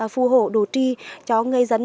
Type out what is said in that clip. phù hộ đồ tri cho người dân